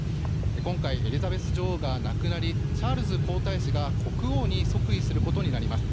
今回、エリザベス女王が亡くなりチャールズ皇太子が国王に即位することになります。